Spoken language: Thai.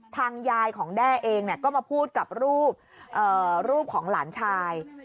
ทางยายของแด้เองก็มาพูดกับรูปของหลานชาย